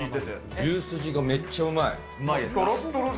牛すじがめっちゃうまい。